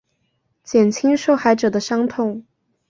减轻受害者的伤痛